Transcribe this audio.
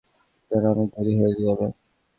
আপনার অনেক দেরি হয়ে যাবে।